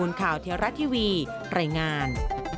ภูมิข่าวเที่ยวรัฐทีวีรายงาน